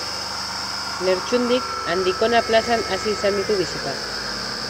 Lertxundik Andikona plazan hasi izan ditu bisitak.